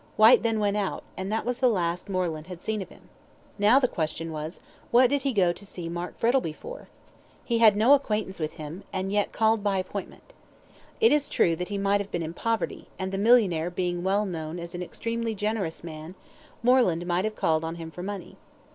Whyte then went out, and that was the last Moreland had seen of him. Now, the question was, "What did he go to see Mark Frettlby for?" He had no acquaintance with him, and yet he called by appointment. It is true he might have been in poverty, and the millionaire being well known as an extremely generous man, Moreland might have called on him for money.